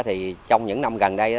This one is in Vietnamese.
thì trong những năm gần đây